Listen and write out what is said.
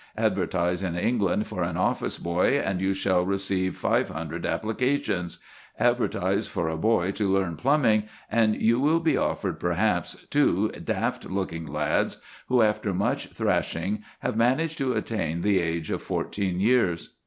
Advertise in England for an office boy and you shall receive five hundred applications; advertise for a boy to learn plumbing, and you will be offered, perhaps, two daft looking lads, who after much thrashing have managed to attain the age of fourteen years.